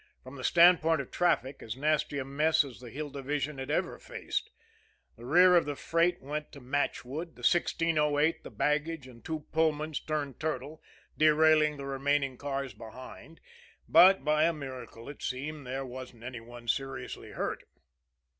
From the standpoint of traffic, as nasty a mess as the Hill Division had ever faced. The rear of the freight went to matchwood, the 1608, the baggage and two Pullmans turned turtle, derailing the remaining cars behind; but, by a miracle, it seemed, there wasn't any one seriously hurt.